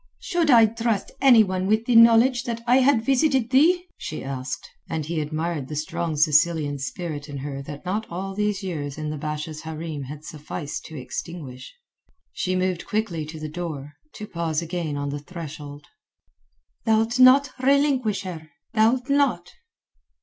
"Should I trust anyone with the knowledge that I had visited thee?" she asked, and he admired the strong Sicilian spirit in her that not all these years in the Basha's hareem had sufficed to extinguish. She moved quickly to the door, to pause again on the threshold. "Thou'lt not relinquish her? Thou'lt not."